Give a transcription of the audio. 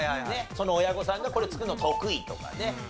その親御さんがこれ作るの得意とかね。